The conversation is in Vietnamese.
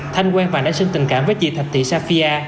thanh quen và đã sinh tình cảm với chị thạch thị safia